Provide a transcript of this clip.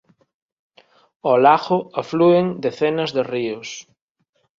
Ao lago aflúen decenas de ríos.